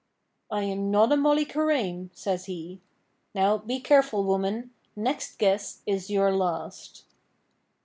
'I am not a Mollycharaine,' says he. 'Now, be careful, woman; next guess is your last.'